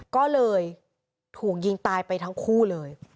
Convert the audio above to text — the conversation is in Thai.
ก็เลยถูกยิงตายไปทั้งคู่เลย